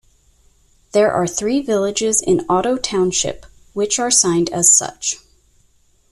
There are three villages in Otto Township, which are signed as such.